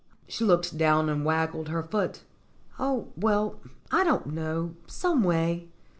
She looked down and waggled her foot. "Oh, well, I don't know, some way.